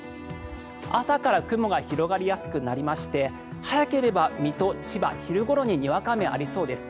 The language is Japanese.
朝から雲が広がりやすくなりまして早ければ水戸、千葉、昼ごろににわか雨がありそうです。